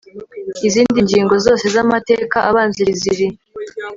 izindi ngingo zose z amateka abanziriza iri